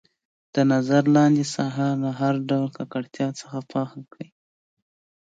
نظر لاندې ساحه له هر ډول ککړتیا څخه پاکه کړئ.